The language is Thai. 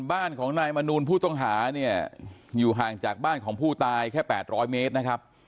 บ้านของนายมนูลผู้ต้องหาเนี่ยอยู่ห่างจากบ้านของผู้ตายแค่๘๐๐เมตรนะครับ